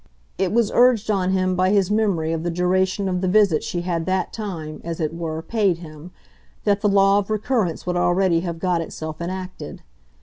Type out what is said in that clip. It was urged on him by his memory of the duration of the visit she had that time, as it were, paid him, that the law of recurrence would already have got itself enacted.